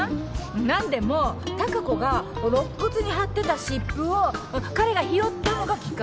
何でも貴子がこう肋骨にはってた湿布を彼が拾ったのがきっかけだって。